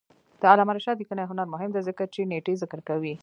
د علامه رشاد لیکنی هنر مهم دی ځکه چې نېټې ذکر کوي.